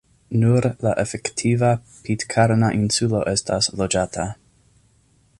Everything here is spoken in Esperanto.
Nur la efektiva Pitkarna insulo estas loĝata.